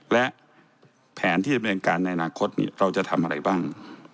และแผนที่จะบรรยาการในอนาคตนี่เราจะทำอะไรบ้าง